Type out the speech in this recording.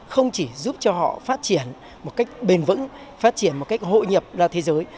không chỉ giúp cho họ phát triển một cách bền vững phát triển một cách hội nhập ra thế giới